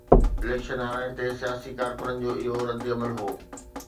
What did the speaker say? Election هارائڻ تي سياسي ڪارڪنن جو اهو ردعمل هو.